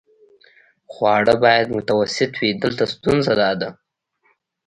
خواړه باید متوسط وي، دلته ستونزه داده.